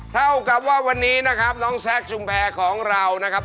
เท่ากับว่าวันนี้นะครับน้องแซคชุมแพรของเรานะครับ